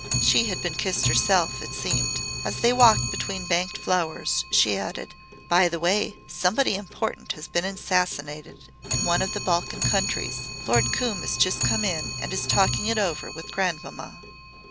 She had been kissed herself, it seemed. As they walked between banked flowers she added: "By the way, somebody important has been assassinated in one of the Balkan countries. Lord Coombe has just come in and is talking it over with grandmamma."